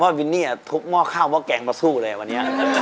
ผมว่าวินนี่ทุกหม้อข้าวเพราะว่าแกล้งมาสู้เลยวันนี้